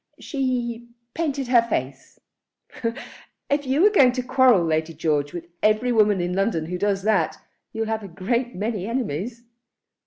"She painted her face." "If you're going to quarrel, Lady George, with every woman in London who does that, you'll have a great many enemies."